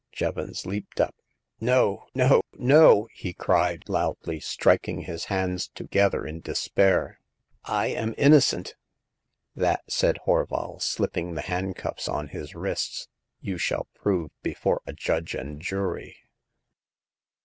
'' Jevons leaped up. No, no, no !'* he cried, loudly, striking his hands together in despair. " I am innocent !'* *'That," said Horval, slipping the handcuffs on his wrists, you shall prove before a judge and jury."